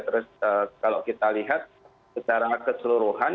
terus kalau kita lihat secara keseluruhan